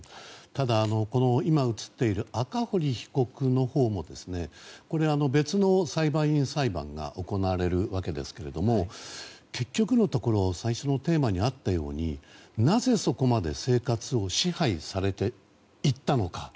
ただ、今映っている赤堀被告のほうもこれは別の裁判員裁判が行われるわけですが結局のところ最初のテーマにあったようになぜ、そこまで生活を支配されていったのか。